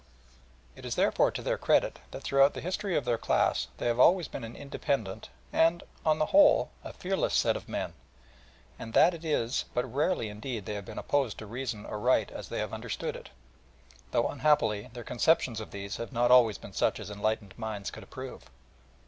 It is, therefore, to their credit that throughout the history of their class, they have always been an independent and, on the whole, a fearless set of men, and that it is but rarely indeed they have been opposed to reason or right as they have understood it, though, unhappily, their conceptions of these have not always been such as enlightened minds could approve.